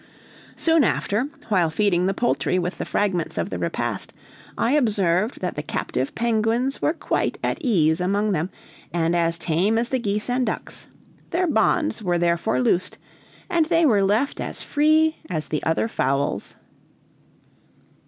Soon after, while feeding the poultry with the fragments of the repast, I observed that the captive penguins were quite at ease among them and as tame as the geese and ducks; their bonds were therefore loosed, and they were left as free as the other fowls.